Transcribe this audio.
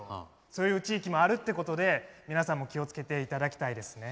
そういう地域もあるってことで皆さんも気を付けていただきたいですね。